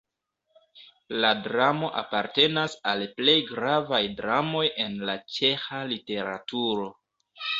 La dramo apartenas al plej gravaj dramoj en la ĉeĥa literaturo.